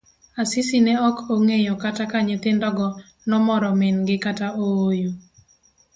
Asisi ne ok ong'eyo kata ka nyithindo go nomoro min gi kata ooyo.